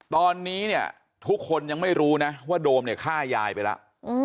ตอนนี้เนี่ยทุกคนยังไม่รู้นะว่าโดมเนี่ยฆ่ายายไปแล้ว